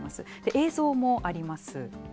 映像もあります。